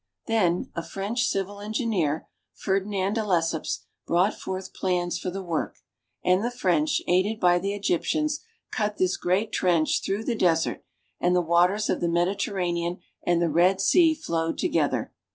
Then a French civil engineer, Ferdinand de Lesseps, brought forth plans for the work ; and the French, aided by the Egyptians, cut this great trench through the desert, and the waters of the Mediterranean and the Red Sea flowed together.